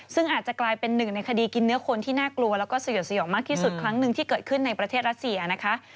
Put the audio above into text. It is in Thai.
ซึ่งอาจจะกลายเป็นหนึ่งในคดีกินเนื้อคนที่น่ากลัวแล้วก็สยดสยองมากที่สุดครั้งหนึ่งที่เกิดขึ้นในประเทศรัสเซียนะคะ